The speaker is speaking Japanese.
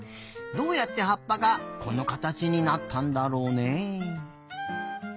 どうやってはっぱがこのかたちになったんだろうね。